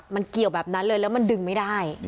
มันเกี่ยวแบบนั้นเลยแล้วมันดึงไม่ได้